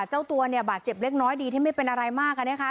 เจ้าตัวเนี่ยบาดเจ็บเล็กน้อยดีที่ไม่เป็นอะไรมากนะคะ